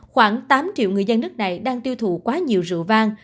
khoảng tám triệu người dân nước này đang tiêu thụ quá nhiều rượu vang